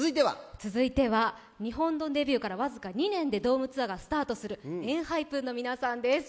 続いては？日本のデビューから僅か２年でドームツアーがスタートするＥＮＨＹＰＥＮの皆さんです。